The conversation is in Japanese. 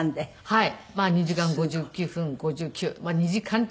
はい。